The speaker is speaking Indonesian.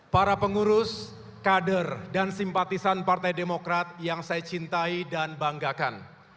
para pengurus kader dan simpatisan partai demokrat yang saya cintai dan banggakan